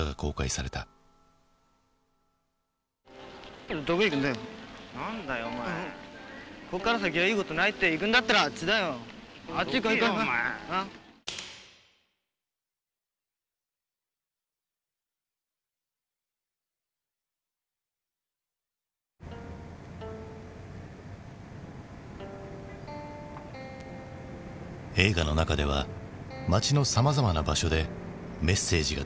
映画の中では街のさまざまな場所でメッセージがつづられていく。